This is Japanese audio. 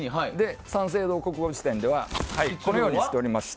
「三省堂国語辞典」ではこのようにしております。